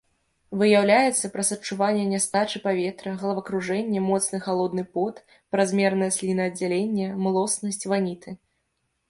Выяўляецца праз адчуванне нястачы паветра, галавакружэнне, моцны халодны пот, празмернае слінааддзяленне, млоснасць, ваніты.